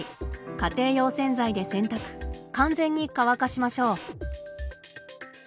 家庭用洗剤で洗濯完全に乾かしましょう。